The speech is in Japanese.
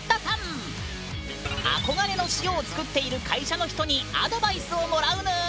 憧れの塩を作っている会社の人にアドバイスをもらうぬん！